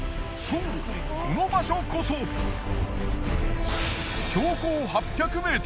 そうこの場所こそ標高８００ｍ。